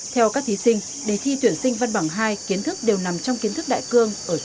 theo các thí sinh để thi tuyển sinh văn bằng hai kiến thức đều nằm trong kiến thức đại cương ở trình độ đại học